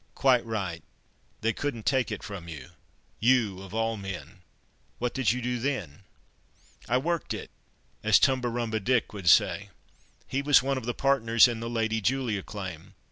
"Quite right—they couldn't take it from you—you of all men. What did you do then?" "I 'worked it,' as 'Tumbarumba Dick' would say. He was one of the partners in the Lady Julia claim.